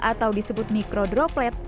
atau disebut mikro droplet